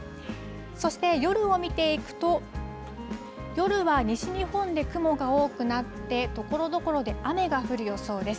そして夜を見ていくと、夜は西日本で雲が多くなって、ところどころで雨が降る予想です。